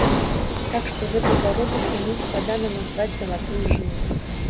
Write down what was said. Так што гэты заробак яму складана назваць залатой жылай.